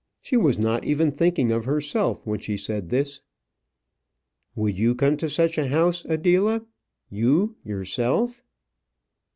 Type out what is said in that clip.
She was not even thinking of herself when she said this. "Would you come to such a house, Adela? You, you yourself?"